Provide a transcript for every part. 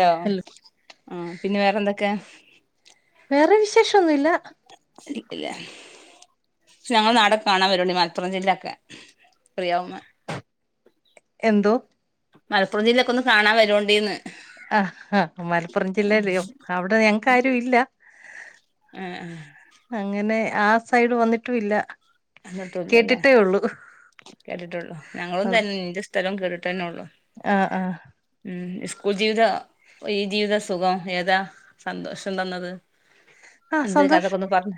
Law hello ഉം പിന്നെ വേറെന്തെക്കെ? വേറെ വിശേഷൊന്നുല്ല. [unintelligible] ഞങ്ങളെ നാടൊക്കെ കാണാൻ വരോണ്ടു മലപ്പുറം ജില്ലൊക്കെ ഫ്രീയാവമ്പ എന്തോ? മലപ്പുറം ജില്ലെക്കൊന്ന് കാണാൻ വെരോണ്ടീന്ന്. ആഹ് ഹ മലപ്പുറം ജില്ലേല്ല്യോ അവടെ ഞങ്ങക്കാരു ഇല്ല ആഹ് ആഹ് അങ്ങനെ ആ സൈഡ് വന്നിട്ടുല്ല. അന്നിട്ടുല്ലല്ലേ കേട്ടിട്ടൊള്ളൂ ഞങ്ങളും തന്നെ നിന്റെ സ്ഥലം കേട്ടിട്ടെന്നോള്ളു. ആഹ് ആഹ് ഉം സ്കൂൾ ജീവിത ഈ ജീവിതസുഖം ഏതാ സന്തോഷം തന്നത്? ആഹ് എന്ത് സന്തോഷ് കഥക്കൊന്ന് പർഞ്ഞ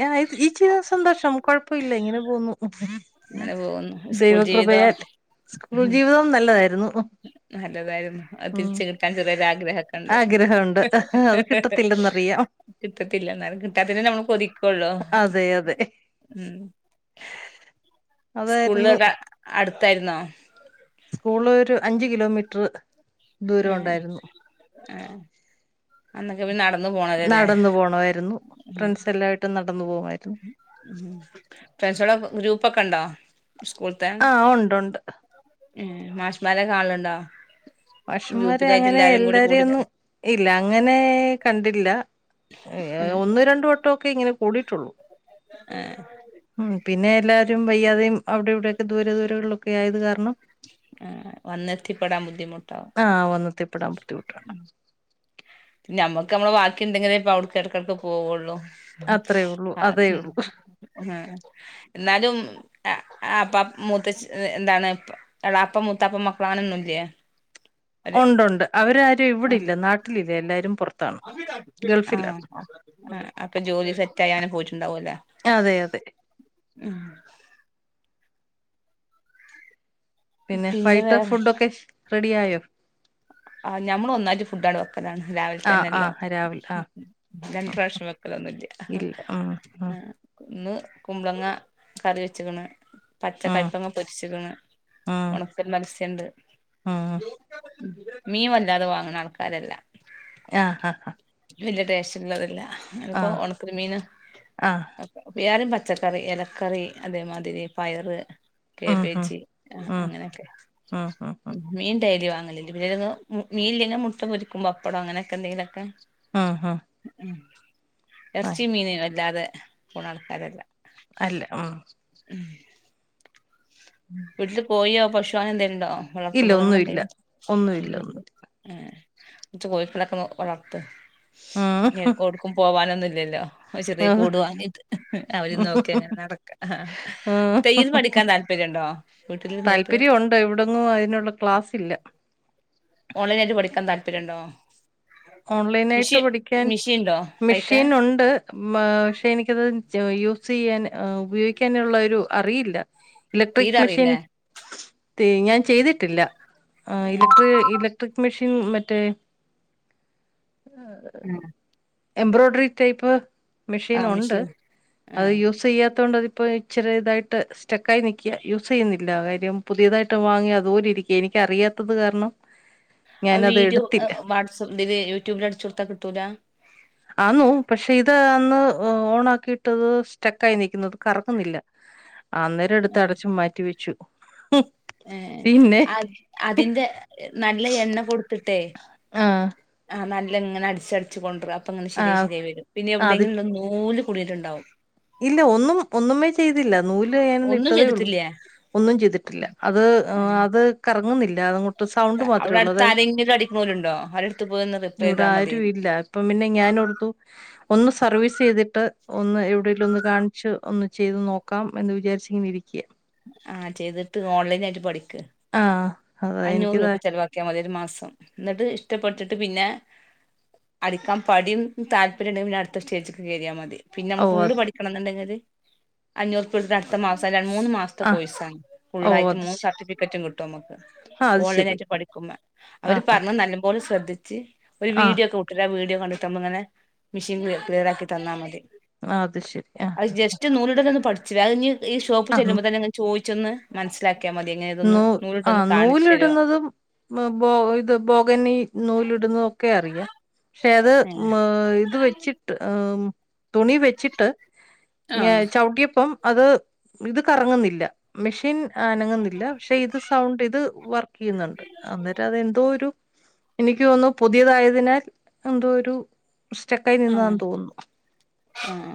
യാ ഇത് ഈ ജീവിതം സന്തോഷം കൊഴപ്പയില്ല ഇങ്ങനെ പോവുന്നു. ഇങ്ങനെ പോവുന്നു സ്കൂൾ ജീവിതോ? നല്ലതായിര്ന്നു. നല്ലതായിര്ന്നു അത് തിരിച്ച് കിട്ടാൻ ചെറിയൊരാഗ്രഹക്കെണ്ട്. ആഗ്രഹമുണ്ട് അത് കിട്ടത്തില്ലെന്നറിയാം കിട്ടത്തില്ല എന്നാലും കിട്ടാത്തന്നെ നമ്മള് കൊതിക്കൊള്ളൂ അതെ അതെ ഉം അതായിരുന്നു സ്കൂളൊക്ക അട്ത്തായിര്ന്നോ? സ്കൂളൊരു അഞ്ച് കിലോമീറ്റർ. ദൂരം ഏഹ് ഉണ്ടായിരുന്നു ഏഹ് അന്നൊക്കെ പിന്നെ നടന്ന് പോണ നടന്ന് പോണമായിര്ന്നു ഫ്രണ്ട്സെല്ലായിട്ടും നടന്നു പോവുമായിരുന്നു. ഉം ഫ്രണ്ട്സെളെ ഗ്രൂപ്പൊക്കെണ്ടോ സ്കൂൾ ആഹ് ഉണ്ടുണ്ട് ഉം മാഷ്മാരെ കാണലുണ്ടോ മാഷമ്മാരെ ഗ്രൂപ്പിലായിട്ട് അങ്ങനെ എല്ലാരും കൂടി എല്ലാരെയും കൂടി ഒന്നും ഇല്ല അങ്ങനെ കണ്ടില്ല ഏഹ് ഒന്ന് രണ്ട് വട്ടമൊക്കെ ഇങ്ങനെ കൂടിയിട്ടുള്ളൂ ഏഹ് ഉം പിന്നെ എല്ലാരും വയ്യാതെയും അവിടെ ഇവിടെയൊക്കെ ദൂരെ ദൂരങ്ങളിലൊക്കെ ആയത് കാരണം ആഹ് വന്ന ആഹ് വന്നത്തിപ്പെടാൻ ബുദ്ധിമുട്ടാ പിന്നെ നമ്മുക്ക് നമ്മള് ബാക്കി എന്തെങ്കിലേ ഇപ്പ അവിടുക്ക് ഇടക്കിടക്ക് പോവുള്ളൂ അത്രേ ഉള്ളൂ ആ അതേ ഉം ഉള്ളൂ ഉം എന്നാലും അപ്പാ മൂത്തച് എന്താണ് പ്പ എളാപ്പ മുത്തപ്പ മക്കളാമാര്ന്നും ഇല്ലേ ഉണ്ടുണ്ട് അവരാരും ആ ഇവിടെല്ല നാട്ടിലില്ല എല്ലാരും പുറത്താണ് ആ ഗൾഫിലാണ് ആ അപ്പൊ ജോലി സെറ്റ് ആയാ പോയിട്ടുണ്ടാവൂല്ലേ അതെ അതെ ആം പിന്നെ വൈകിട്ട് ഫുഡൊക്കെ റെഡി ആയോ ആഹ് ഞമ്മള് ഒന്നായിട്ട് ഫുഡ് ആണ്ട് വെക്കലാണ് രാവിലെ ആഹ് തന്നെ എല്ലാം ആഹ് രാവിലെ ആഹ് രണ്ട് ഉം പ്രാവശ്യം വെക്കലൊന്നുംല്ല ഇല്ല ഉം ഉം ആഹ് ഇന്ന് കുമ്പളങ്ങ കറി വെച്ച്ക്ക്ണ് പച്ച ഉം കൈപ്പങ്ങ പൊരിച്ച്ക്ക്ണ് ഉണക്കൽ മത്സ്യണ്ട് ഉം ഉം മീൻ വല്ലാതെ വാങ്ങ്ണ ആൾക്കാരല്ല ഞാ ഹ ഹ യുവല്യ ടേസ്റ്റ് ഇള്ളത് ല്ല അപ്പൊ ആഹ് ഒണക്കമീൻ ആഹ് എല്ലാരും പച്ചക്കറി ഇലക്കറി അതേമാതിരി പയറ് ആഹാ കേബേജ് ആ ആഹ് അങ്ങനെയൊക്കെ ആഹ് ആഹ് ആഹ് മീൻ ഡൈലി വാങ്ങലില്ല പിന്നെ ങ്ങനങ്ങ് മീൻ ഇല്ലേ മുട്ട പൊരിക്കും പപ്പടോ അങ്ങനെയൊക്കെ എന്തേലൊക്കെ ആഹ് ഹാ ഉം എറച്ചി മീന് വല്ലാതെ പോണ ആൾക്കാരല്ല അല്ല ഉം ഉം ഉം വീട്ടില് കോഴിയോ പശുവോ അങ്ങനെ എന്തേലുണ്ടോ വളർത്തു ഇല്ല മൃഗങ്ങൾ ഒന്നുല്ല എന്തേലും ഒന്നുല്ല ഏഹ് കൊറച്ച് കോഴിക്കളൊക്കെ ഒന്ന് വളർത്ത് ഇഞ് ആഹ് ഇങ്ങക്ക് ഔട്ക്കും പോവാനൊന്നും ഇല്ലല്ലോ ഒരു ചെറിയ ആഹ് കൂടുവാങ്ങിട്ട് അവരെ നോക്കി അങ്ങനെ നടക്കാം തെയ്യൽ പഠിക്കാൻ താല്പര്യണ്ടോ വീട്ടിലിരുന്നിട്ട് താല്പര്യ ഉണ്ട് ഇവിടൊന്നും അതിനുള്ള ക്ലാസ് ഇല്ല ഓൺലൈനായിട്ട് പഠിക്കാൻ താല്പര്യം ഇണ്ടോ ഓൺലൈനായിട്ട് പഠിക്കാൻ മിഷീൻണ്ടോ കൈക്കാൻ മെഷീൻ ഉണ്ട് മ പക്ഷെ എനിക്കത് യൂസ് ചെയ്യാൻ ഉപയോഗിക്കാനുള്ള ഒരു അറിയില്ല തീരെ ഇലക്ട്രിക് മെഷീൻ അറിയില്ലേ ഞാൻ ചെയ്തിട്ടില്ല ആഹ് ഇലക്ട്രി ഇല ക്ട്രിക്ക് മെഷീൻ മറ്റേ ആഹ് ആഹ് എംബ്രോയിഡ്രറി ടൈപ്പ് മെഷീൻ ആഹ് ഉണ്ട് മിഷീൻ അത് ആഹ് യൂസ് ചെയ്യാത്ത കൊണ്ട് അതിപ്പോ ഇച്ചിരി ഇതായിട്ട് സ്റ്റെക്കായി നിക്ക യൂസ് ചെയ്യുന്നില്ല കാര്യം പുതിയതായിട്ട് വാങ്ങി അതുപോലെ ഇരിക്ക എനിക്ക് അറിയാത്തത് കാരണം ആ ഞാനത് വീഡിയോ എടുത്തില്ല വാട്സ ഇതില് യൂട്യൂബില് അടിച്ച് കൊടുത്താ കിട്ടൂല ആന്നു പക്ഷെ ഇത് അന്ന് ഓൺ ആക്കിയിട്ടത് സ്റ്റെക്കായി നിക്കുന്നു അത് കറങ്ങുന്നില്ല അന്നേരം എടുത്ത് അടച്ചു മാറ്റി വെച്ചു ഏഹ് പിന്നെ അ അതിന്റെ നല്ല എണ്ണ കൊട്ത്തിട്ടേ ആഹ് ആഹ് നല്ലങ്ങനെ അടിച്ചടിച്ച് കൊണ്ടര്അ അപ്പങ്ങനെ ശരിയായി ആഹ് ശരിയായി വരും പിന്നെ അത് എവിടെങ്കിലും നൂല് കുട്ങ്ങിയിട്ടുണ്ടാവും ഇല്ല ഒന്നും ഒന്നുമേ ചെയ്തില്ല നൂല് ഞാനൊന്ന് ഒന്നും ഇട്ടതേ ഉള്ളൂ ചെയ്തിട്ടില്ല ഒന്നും ചെയ്തിട്ടില്ല അത് അത് കറങ്ങുന്നില്ല അതങ്ങോട്ട് സൗണ്ട് മാത്രേ അവിടെ ഉള്ളൂ അടുത്ത് അതായത് ആരെങ്കിലും അടിക്കണോലുണ്ടോ അവരെടുത്ത് പോയി ഒന്ന് റിപ്പയർ ഇവിടെ ചെയ്താൽ മതി ആരും ഇല്ല അപ്പം പിന്നെ ഞാനോടുത്തു ഒന്ന് സർവീസ് ചെയ്തിട്ട് ഒന്ന് എവിടെ ങ്കിലൊന്ന് കാണിച്ച് ഒന്ന് ചെയ്ത് നോക്കാം എന്ന് വിചാരിച്ച് ഇങ്ങനെ ഇരിക്ക ആഹ് ചെയ്തിട്ട് ഓൺലൈനായിട്ട് പഠിക്ക ആഹ് അഞ്ഞൂറ് രൂപ ചെലവാക്കിയാൽ മതി ഒരു മാസം ഇന്ന്ട്ട് ഇഷ്ടപ്പെട്ടിട്ട് പിന്നെ അടിക്കാൻ പഡിം താല്പര്യംണ്ടെങ്കി പിന്നെ അടുത്ത സ്റ്റേജ്ക്ക് കേറിയാൽ മതി പിന്നെ ഓ നമ്മള് ഫുള്ള് അത് പഠിക്കണം എന്നുണ്ടെങ്കില് അഞ്ഞൂറുപ്പ്യ കൊട്ത്ത് അടുത്ത മാസം അല്ല മൂന്ന് മാസം ത്ത ആ കോഴ്സാണ് ഓ ഫുള്ളായിട്ട് അത് മൂന്ന് ശരി സർട്ടിഫിക്കറ്റും കിട്ടും നമ്മക്ക് ആ അത് ഓൺലൈൻ ശരി ആയിട്ട് പഠിക്കുമ്പ ആ അവര് ആ പറിയ്ണെ നല്ല പോലെ ശ്രദ്ധിച്ച് ഒരു ആ വീഡിയോ ഒക്കെ വി ട്ടരാ വീഡിയോ കണ്ടിട്ട് നമ്മള് ഇങ്ങനെ മെഷീൻ ക്ലിയറാക്കി തന്നാ മതി ആഹ് അത് ശരി ആഹ് ഇജ്ജ് നൂല് ടലൊന്നും പട്ച്ചില അഹ് ഇഞ്ഞ് ഈ ഷോപ്പ് ആ ചെല്ലുമ്പോതന്നെ ഇങ്ങനെ ചോയി ചോന്ന് മനസ്സിലാക്കി. മതി അനെതൊന്ന് നൂ നൂല് ട ആ ലൊന്ന്. നൂലിടുന്നതും ബ ഇത് ബോഗനി നൂലിടുന്നതും ഒക്കെ അറിയാ. പക്ഷെ അത് ഏഹ് ഇത് വെച്ചിട്ട് തുണി വെ ച്ചിട്ട് ഞാൻ ആഹ് ചാഹുട്യപ്പം. അത് ഇത് കറങ്ന്നില്ല മെഷീൻ അനങ്ങുന്നി ഇത് സൗണ്ട് ഇത് വർക്ക് ചെയ്ന്ന്ണ്ട് അന്നേരം അത് എന്തോ ഒരു. എനിക്ക് തോന്നുന്നു പുതിയതായതിനാൽ എന്തോ ഒരു സ്റ്റെക്കായി നിന്നതാ ആഹ് തോന്നുന്നു. ആഹ്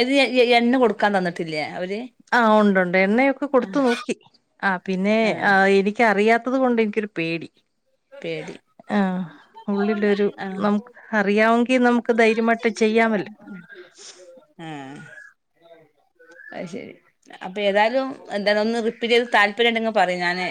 അയില് എ എണ്ണ കൊടുക്കാ തന്നിട്ടില്ലേ അവര്. ആഹ് ഉണ്ട് ഉണ്ട് എണ്ണയൊക്കെ കൊടുത്തു ആഹ് നോക്കി ആഹ് പിന്നെ ആഹ് എനി എനിക്കറിയാത്തത് കൊണ്ട് എനിക്കൊരു പേടി. പേടി. ആഹ് ഉള്ളിലൊരു ആഹ് നമുക്ക് അറിയാവെങ്കിൽ നമുക്ക് ധൈര്യമായിട്ട് ചെയ്യാമല്ലോ? ഹെ അഹ് ശരി. അപ്പൊ ഏതായാലും എന്താ ഒന്ന് റിപ്പീറ്റ് ചെയ്ത് താല്പര്യം ഉണ്ടെങ്കിൽ പറി ഞാന്.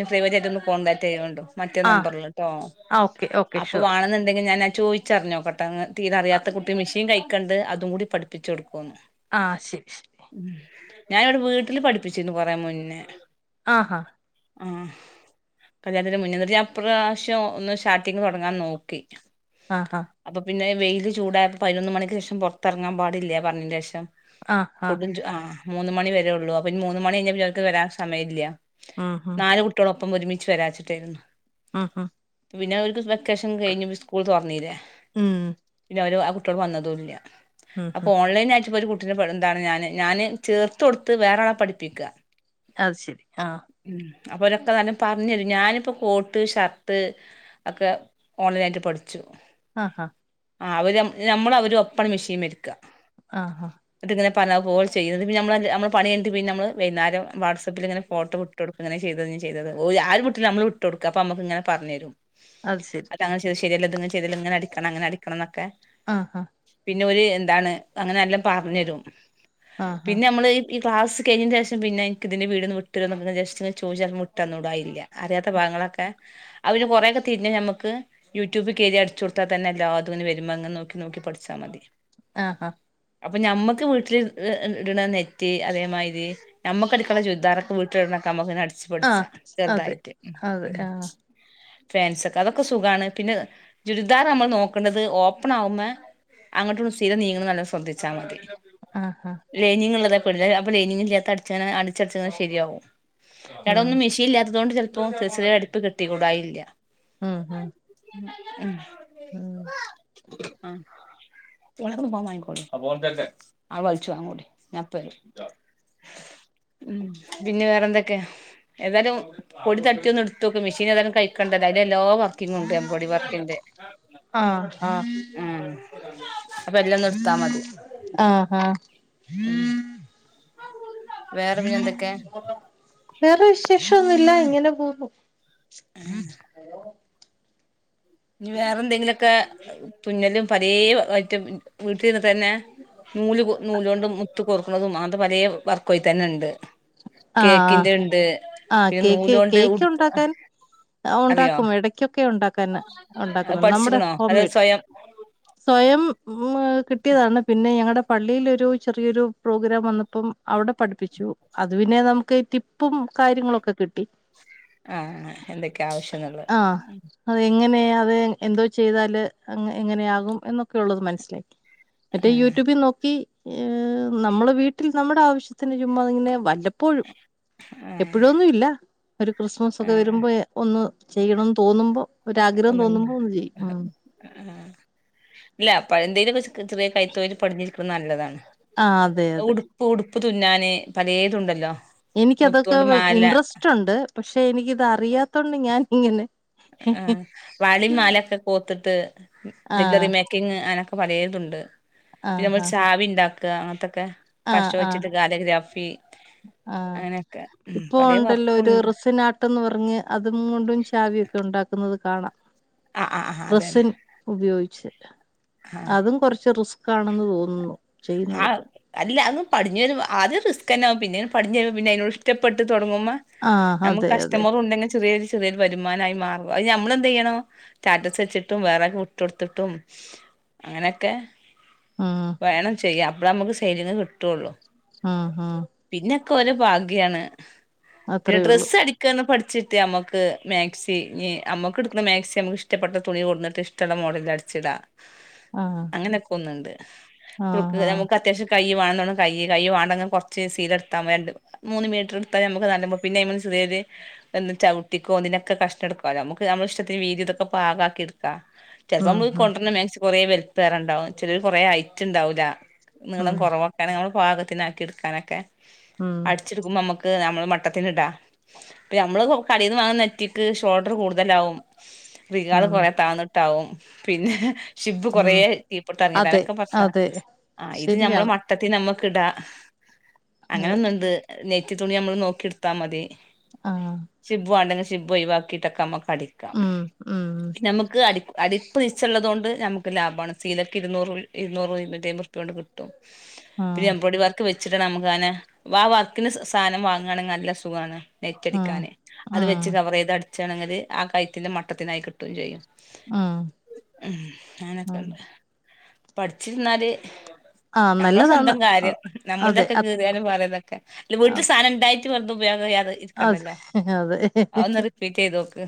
ഇ ഫ്രവറ്റാആട്ട് ഒന്ന് കോണ്ടടാക്ട് ചെയ്യണ്ടു മറ്റേ ആഹ് നമ്പർൽട്ടോ ആ ഓക്കെ ഓക്കെ അപ്പൊ ഷുവർ വണന്ന് അത് കഴിഞ്ഞ് ഞാൻ ചോയ്ച്ചറഞോക്കട്ടെ ഒന് തീരെ ആര്യത കുട്ടി മിഷീൻ കയ്കെണ്ട് അതും കൂടി പട്പ്പിച്ച് കൊന്ന് ആഹ് ശെരി. ഉം ഞാനിവിടെ വീട്ടില് പഠിപ്പിച്ചിരുന്നു കൊറെ മുന്നേ. ആഹാ. ആഹ് കല്യാണത്തിന് മുനെ. ഞാനിപ്രാവശ്യം ഒന്ന് സ്റ്റാട്ടിങ്ങ് തോടങ്ങാൻ നോക്കി. ആഹ് ഹ. അപ്പൊ പിന്നെ വെയില് ചൂടായപ്പോ പയിനൊന്ന് മണക്ക്ശേഷം പൊറ്ത്തർങ്ങാൻ പാടില്ല പർഞ്ഞിന്റെഷം. ആഹാ കുടും ആഹ് മൂന്ന് മണി വരെള്ളൂ അപ്പൊ ഇനി മൂന്ന് മണി കയിഞാ ഓല് ക്ക് വരാൻ സമയല്ല. ഉം ഉം നാല് കുട്ടള് ഒപ്പം ഒരുമിച്ച് വരാച്ചിട്ടേയ്‌ന്നു. ഉം ഉം പിന്നെ ഓല്ക്ക്‌ വെക്കേഷൻ കഴിഞ്ഞ് സ്കൂൾ തൊറന്നീലേ ഉം. പിന്നെ അവര് ആഹ് കുട്ടോൾ വന്നതും ഇല്ല ഉം അപ്പൊ ഉം ഓൺലൈൻ ആയിട്ട് ഇപ്പൊ ഒരു കു ട്ട എന്താണ് ഞാന് ഞാന് ചേർത്ത് കൊട്ത്ത് വേറെആളെ പഠിപ്പിക്ക. അത് ശെരി ആഹ്. ഉം അപ്പൊ ഒരൊക്കെ ന്നല്ലം പറഞരും ഞാനിപ്പോ പോ ന്റ് ഷർട്ട് ഒക്കെ ഓൺലൈനായിട്ട് പഠിച്ചു. ആ ഹ. ആ അവര് നമ്മള് അവരും ഒപ്പണ്‌ മെഷീൻ മര്ക്ക. ആഹാ. ഇന്നീട്ടങ്ങനെഞ്ഞ പറഞ്ജു ചെയ്യുന്നത് പിന്ന നമ്മ നമ്മ പണി കഴിഞ്ഞിട്ട് ന്മല് വൈകുന്നേരം വാട്സപ്പില് ഇങ്ങനെ ഫോട്ടം വിട്ട് കൊടു അങ്ങനെ ചെയ്തത് ഇങ്ങനെ ചെയ്തത് ആരും വിട്ട് കൊടുത്തില്ലങ്കിലും ഞമ്മൾ വിട്ട് കൊട്ക്കഅപ്പൊ ഞമ്മക് ഇങ്ങനെ പറഞ്ഞേരും. അത് ശെരി. ശരിയല്ല ഇത്ങ്ങ ചെയ്തല്ല ഇങ്ങനെടിക്കണംങ്ങനെ അടിക്കണം എന്നൊക്കെ. ആഹാ. പിന്നെ ഓര് എന്താണ് അങ്ങനെ നല്ലാം പറഞെരും ആഹാ പിന്നെ നമ്മള് ഈ ക്ലാസ് കഴിഞ്ഞ ന്റെശം പിന്നെ എനിക് ഇതിന്റെ വിഡിയോ വീട്ട്തരോ എന്ന ജസ്റ്റ്ങ്ങനെ ചോദിച്ചാൽ വിട്ട് തന്നുടായില്ല അറിയാത്ത ഭാങ്ങളക്കെ അവന് കൊറെക്കെ തിരിഞ്ഞ നമുക്ക് യൂട്യൂബ് കേറി അടിച്ചു കൊടുത്തൽ തന്നെല്ല എല്ലാതും അങ്ങനെ നോകി നോകി നോകിപഠിച്ചാ മതി. ആഹാ. അപ്പൊ ഞമ്മക്ക് വീട്ടിൽ ഇടുന്ന നെറ്റ് അതേമാതിരി. നമ്മുക്ക്ടക്ണ ചുരിദാറൊക്കെ വീട്ടില് ഇട്ണക്കെ നമ്മക്കനടിച്ച് പടിച്ചാ ആഹ് അതെ ചെറുതായിട്ട്. അതെ ആഹ് ഫാൻസൊക്കെ അതൊക്കെ സുഖാണ് പിന്നെ ജുരിദാർ നമ്മൾ നോക്കണത് ഓപ്പൺ ആവുന്നേ അങ്ങട്ട്ങ്ങട്ടും സീല നീങ്ങണത് നല്ലോം ശ്രദ്ധിച്ചാ മതി. ആഹാ ലൈനിങ് ഇള്ളതൊെക്കെല്ലെ അപ്പ ലൈനിങ് ഇല്ലാത്ത അട്ചാന് അടിച്ചടിചിങ്ങനെ ശരിയാവും വടെ ഉം ഒന്നും മിഷീൻ ഇല്ലാത്തതോണ്ട് ചെലപ്പോ ഫെസേ അട്ത്ത് കിട്ടികൂടായില്ല. ഉം ഹും ഉ ഉം ഉം ആഹ് വേറെന്താ മാങ്ങിക്കൊളി ആഹ് വൽച്ച് വാങ്ങിക്കൂടി ഞാനിപ്പവരും. ഉം പിന്നെ വേറെ എന്തൊക്കെ? ഏതായാലും പൊടി തട്ടിയൊന്ന് ഇട്- ട്ടോക്ക് മെഷീൻ ഏതാലും തയ്ക്ക്ണ്ടല്ലോ അതിലെല്ലാ വർക്കിങ് ഉണ്ട് എംബ്രോയ്‌ഡ‌റി വർക്കിന്റെ ആഹ് ആഹ് ഉം അപ്പൊ എല്ലാം നിർത്താ മതി ആഹാ ഉം വേറെ പിന്നെ എന്തൊക്കെ? വേറെ വിശേഷോന്നുല്ല ഇങ്ങനെ പോകുന്നു. ഞ് വേറെന്തെങ്കിലുഒക്കെ തുന്നലും പലേ ഐറ്റും വീട്ടിൽ ഇര്ന്നിട്ട് തന്നെ നൂല് നൂലു കൊണ്ട് മുത്ത് കോർക്ക്ണതും അങ്ങനത്തെ പലേ വർക്കും അയിത്തന്നെണ്ട് ആഹ് ആഹ് കേക്കിന്റെ ണ്ട് ആഹ് കേക്ക് കേക്ക് ഉണ്ടാക്കാൻ ആഹ് അറിയോ ഉണ്ടാക്കും ഇടക്കൊക്കെ ഉണ്ടാക്കും. തന്നെ അത് ഉണ്ടാക്കുന്നു നമ്മുടെ പഠിച്ചിക്കണോ ഹോം അത് മെയ്ഡ് സ്വയം സ്വയം ഉം കിട്ടിയതാണ് പിന്നെ ഞങ്ങളുടെ പള്ളിയിലൊരു ചെറിയൊരു പ്രോഗ്രാം വന്നപ്പം അവിടെ പഠിപ്പിച്ചു അതു പിന്നെ നമുക്ക് ടിപ്പും കാര്യങ്ങളൊക്കെ കിട്ടി. ആഹ് ഹാ എന്തൊക്കെ ആവശ്യം എന്നുള്ളത് ഉം അത് എങ്ങനെ അത് എന്തോ ചെയ്താല് എങ്ങനെയാകും എന്നൊക്കെയുള്ളത് മനസ്സിലായി. ആ മറ്റേ യൂട്യൂബി നോക്കി. ഏ നമ്മള് വീട്ടിൽ നമ്മുടെ ആവശ്യത്തിന് ചുമ്മാ ഇങ്ങനെ വല്ലപ്പോഴും ആ എപ്പോഴൊന്നും ഇല്ല ഒരു ക്രിസ്മസ് ഒക്കെ ആ വരുമ്പോ ഒന്ന് ചെയ്യണംന്ന് തോന്നുമ്പോ ഒരാഗ്രഹം തോന്നുമ്പോ ഒന്ന് ചെയ്യും ഉം ഹ് ഉം ഇല്ല എന്തേലും ഒക്കെ ചെറിയ കൈതൊഴിൽ പഠിഞ്ഞിരിക്കുന്നത് നല്ലതാണ്. ആഹ് അതെ അതെ പ്പ ഉടുപ്പ് തുന്നാന് പലേതുണ്ടല്ലോ? എനിക്കതൊക്കെ മുത്തോണ്ട് മാല ഇന്ട്രസ്റ്റ് ഉണ്ട് പക്ഷെ എനിക്കിത് അറിയാത്തൊണ്ട് ഞാൻ ഇങ്ങനെ ആഹ് വളീം മാലൊക്കെ കോർത്തിട്ട് ഇതിന്റെ ആഹ് ഇതിമേ മേക്കിങ് അങ്ങനൊക്കെ പലേതുണ്ട് പിന്നെ നമ്മൾ ആഹ് ചാവി ഉണ്ടാക്ക അങ്ങനത്തൊക്കെ പശ ആഹ് ആഹ് വെച്ചിട്ട് കാലിഗ്രഫി ആഹ് ഇപ്പൊ ഉണ്ടല്ലോ ഒരു വർക്കുണ്ട് റിസിനാ- ട്ടെന്ന് പറഞ്ഞ് അതും കൊണ്ടും ചാവിയൊക്കെ ഉണ്ടാക്കുന്നത് കാണാം ആഹ് ആഹ് ആഹ് അതന്നെ റസിന് ഉപയോഗിച്ച് ആഹ് അതും കൊറച്ച് റിസ്കാണെന്ന് തോന്നുന്നു ആഹ് ചെയ്യുന്നതൊക്കെ അല്ല അങ് പടിഞ്ഞു വരും ആദ്യം റിസ്ക് ന്നാകും പിന്നേ പടിഞ്ഞു വരുമ്പോ അതിനോട് ഇഷ്ടപ്പെട്ട് തുടങ്ങുമ്മ ആഹ് അതെ അതെ നമ്മുക്ക്സ്റ്റമറ് ഉണ്ടങ്ങെ ചെറിയ സ് - ചെറിയൊരു വരുമാനമായി മാറും അയിനു ഞമ്മൾെന്ത് ചെയ്യണം സ്റ്റാറ്റസ് വെച്ചിട്ടും വേറാൾക്കു വിട്ടോടുത്തുട്ടും അങ്ങനെക്കെ ഉം വേണം ചെയ്യാം അപ്പളെ നമ്മക്ക് സൈലിങ്ങ് കിട്ടുള്ളു അഹ അഹ പിന്നൊക്കെ ഓരോ ഭാഗ്യാണ് പിന്നെ അത്രേ ഉള്ളൂ ഡ്രസ്സ് അടി ക്ക് ഒന്ന് പഠിച്ചിട്യ നമ്മക്ക് മാക്സി ഞ് ഞമ്മക്ക് ഇട്ക്ക്ണ മാക്സി നമക്ക് ഇഷ്ടപ്പെട്ട തുണി കൊണ്ടന്നുട്ട് ഇഷ്- ട്ടള്ള മോഡലില് അടിച്ചിടാ ആഹ് അങ്ങനൊക്കെ ഒന്നുണ്ട് ഫക്ക് ആഹ് ആഹ് നമുക്ക് അത്യാവ്യ ശ്യകൈ്യ വേണന്ന ക കൈ വേണ്ടെ കുറച്ച് സീല എടുത്താ മതി മൂന്ന് മീറ്റർടുത്തൽ നമ്മക്ക് നോ പിന്നെുറത് [unintelligible] ഒന്ന് ചവിട്ടിക്കോ അതിനൊ കഷ്ണം എടുക്കുവ നമുക്ക് നമ്മള ഇഷ്ടത്തിന് വീതി ഇതൊക്കെ പാകാക്കി എടുക്കാം ചിലപ്പോ നമ്മക്ക് ഉം കൊണ്ടുവന്ന മാക്സി കുറെ വലുപ്പേംണ്ടാവും ചിലർ കുറെ ഐറ്റ ഉണ്ടാവൂല്ല നിളം ഉം കുറവ കാരണം നമ്മളെ പാകത്തിനാക്കി എടുക്കാനൊക്കെ അ മുരിച്ചെടുക്കുമ്പോ നമുക്ക് നമ്മള് മട്ടത്തിന് ഇടാ ഇപ്പ നമ്മള് കടീന്ന് വാങ്ങുന്ന നെറ്റിക്ക് ഷോൾഡർ കൂടുതലാവും റികാള് ഉം കൊറേ താഴന്നിട്ടാവും പിന്നെ ഷിബ് കുറേ ഉം കീപ്പൊട്ട് ഇറങ്ങിട്ട അതെ അനൊക്കെ പ്രശ്ന അതെ ആ ഇത് മ്മള ശരിയാണ് മട്ടത്തി നമ്മക്ക്ടാ അതെ അങ്ങനെന്നണ്ട് നെയറ്റിത്തുണി നമ്മള് നോക്കി എടുത്താ മതി ആഹ് ശിബ്ബു വേണ്ടെങ്കിൽ ശിബ്ബ ഒഴിവാക്കിട്ടൊക്കെ നമുക്ക് അടിക്കാം ഉം ഉം നമുക്ക് അടിപ്പ്‌ അടുപ്പ് നിച്ചുള്ളതു കൊണ്ട് നമുക്ക് ലാഭമാണ് സീലക്ക് ഇരുന്നൂറ് ഇരൂറ് ഇരുന്നൂറ്റി മ്പതറുപ്യ കൊണ്ട് കിട്ടും പിന്നെ ആഹ് എമ്പോറോഡി വർ ക്ക്വെച്ചിട്ട നമുക്ക്നെ ആ വർക്കി സാധനം വാങ്ങുകയാണെങ്കിൽ നല്ല സുഖമാണ് ആഹ് നെറ്റടിക്കാന് അത് വെച്ച് ആഹ് കവർ ചെയ്ത് അടിച്ചാണെങ്കിൽ ആ കയറ്റന്റെ മട്ടത്തിനായി കിട്ടുകയും ചെയ്യും ആഹ് ഉ ആഹ് അങ്ങനൊക്കെണ്ട് പഠിച്ചിരുന്നാല് ആഹ് നമ്മള നല്ലതാണ് സ്വന്തം കാര്യം നമ്മളു അതെ തൊക്കെ അ കീറിയാലും പറയതൊക്കെ വീട്ടിൽ സാധനം ഇണ്ടായി് വറു ഉപയോഗ അത് [unintelligible] അതെ ഇരിക്കണ്ടല്ലോ അതെ അഒന്ന് റിപ്പീറ്റ് യ്ത് നോക്ക്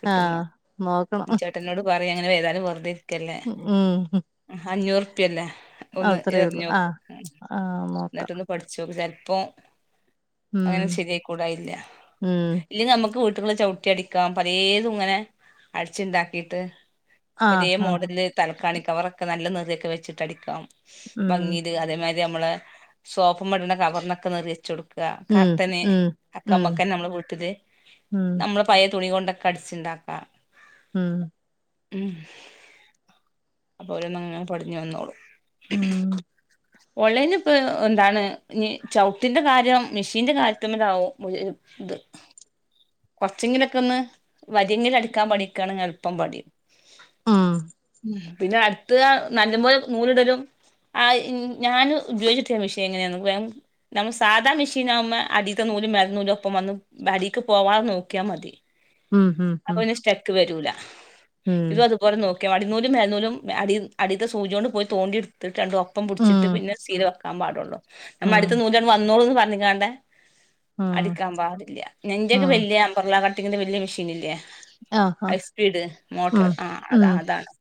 കിട്ടന്ന് ആഹ് നോക്കണം ട്ടനോട് പറയും അങ്ങനെ ചെയ്താലും വെറുതെ ഇരിക്കല്ലേ ഉം അഞ്ഞൂറ് ല്ലെ ഒന്ന് അത്രേ ഉള്ളൂ ആഹ് ആഹ് ഇറങ്ങിയേക്ക്എന്നിട്ട നോക്കാം ഒന്ന് പഠിച്ചു ഓക്ക്ചെലപ്പോ ഉം അങ്ങനെ ശരിയ കൂട ഇല്ല ഉം ഇല്ലെങ്കിൽ നമുക്ക് വീട്ടുന്ന്ചവിട്ടി അടിക്കാം പലേതും ഇങ്ങനെ അടിച്ചുണ്ടാക്കിയിട്ട് ഇപ്പൊ അതേ ആഹ് ആഹ് മോഡല തലക്കാണി കവറൊക്കെ നല്ല നറിയൊക്കെ വെച്ചിട്ട് അടിക്കാം ഉം ഭംഗീല് അതേമാതി രി നമ്മള് സോഫ മടുന്ന കവറിനൊക്ക പിരിച്ചുകൊടുക്ക ഉം കർട്ടന് ഉം ഉം അക്കമ്മക്കെ ന്നെനമ്മള് വിട്ടല് ഉം നമ്മള പയ തുണി കൊണ്ടൊക്കെ അടിച്ചുണ്ടാക്കാം ഉം ഉം അപ്പോരന്ന്ങ്ങനെ പടഞ്ഞു വന്നോളു ഉം [inaudible] ഓൺലൈനി ഇപ്പ എന്താണ് ചവിട്ടിന്റെ കാര്യം മെഷീന്റെ കാര്യത്തിന്മേൽ ആവോ [unintelligible] ഇത് കൊറച്ചെങ്കിലൊക്കെ ഒന്ന് വരിയങ്കില അടുക്കാൻ പടിക്കാണ് എളുപ്പം പടിയും മം പിന്നെ അടുത്ത നല്ല പോല നൂലിടലും ആ ഞാൻ ഉപയോഗിച്ചില്ല മിഷൻ എങ്ങനെയാന്ന് വേഗം നമ്മൾ സാധാ മെഷീൻ ആകുമ്പോൾ അടിത്ത നൂല് മേനൂല ഒപ്പം വന്ന് അടിക്ക് പോവാതെ നോക്കിയാൽ മതി ഉം ഉം അപ്പ ഉം പിന്നെസ്റ്റെക്ക് വരൂല ഇത് ഉം അതു പോലെ നോക്കിയഅടിന്നൂലും മേൽന്നൂലും അടി അടിത്ത സൂചയ കൊണ്ട് പോയി തോണ്ടി ത്തിട്ട് രണ്ടണ്ട് ഒപ്പം പിടിച്ചിട്ട് ഉം പിന്നെ വെക്കാ പാടുള്ളൂ നമ്മ ഉം അടു നൂ വന്നോളും ന്ന് പറഞ്ഞിക്കാണ്ട് ഉം അടിക്കാൻ പാടില്ല നിന്റെ ഒക്കെ ഉം വല്യയ അമ്പർല കട്ടിങ്ങിന്റെ വലിയ മെഷീൻല്ലേ ആഹാ ഹൈസ്പീഡ് മോട്ടർ ഉം ആ അത ഉം അതാണ്